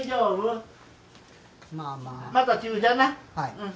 うん。